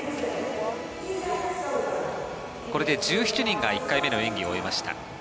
これで１７人が１回目の演技を終えました。